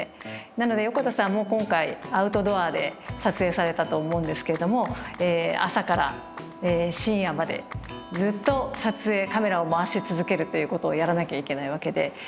なので横田さんも今回アウトドアで撮影されたと思うんですけれども朝から深夜までずっと撮影カメラを回し続けるっていうことをやらなきゃいけないわけで。